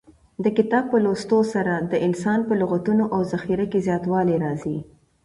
د کتاب په لوستلو سره د انسان په لغتونو او ذخیره کې زیاتوالی راځي.